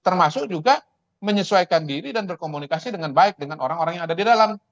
termasuk juga menyesuaikan diri dan berkomunikasi dengan baik dengan orang orang yang ada di dalam